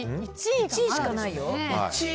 １位しかないよ。